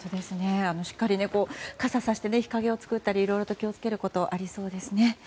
しっかり傘をさして日陰を作ったりいろいろと気を付けることありそうですね。